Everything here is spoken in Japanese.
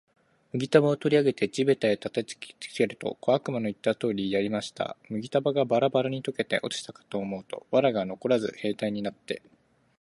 麦束を取り上げて地べたへ叩きつけると、小悪魔の言った通りやりました。麦束がバラバラに解けて落ちたかと思うと、藁がのこらず兵隊になって、